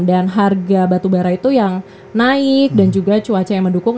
dan harga batubara itu yang naik dan juga cuaca yang mendukung